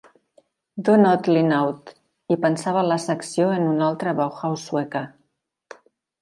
Do Not Lean Out" i pensava la secció en una altra "Bauhaus" sueca.